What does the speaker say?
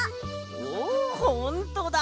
おほんとだ！